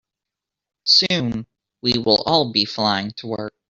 Soon, we will all be flying to work.